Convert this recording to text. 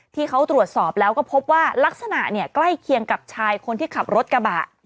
ที่เขาตรวจสอบแล้วก็พบว่าลักษณะเนี่ยใกล้เคียงกับชายคนที่ขับรถกระบะ